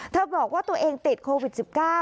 บอกว่าตัวเองติดโควิด๑๙